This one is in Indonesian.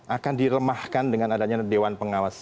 akan dilemahkan dengan adanya dewan pengawas